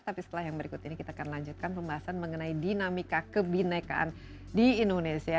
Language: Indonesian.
tapi setelah yang berikut ini kita akan lanjutkan pembahasan mengenai dinamika kebinekaan di indonesia